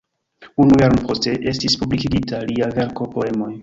Unu jaron poste estis publikigita lia verko "Poemoj.